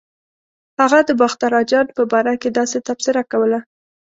هغه د باختر اجان په باره کې داسې تبصره کوله.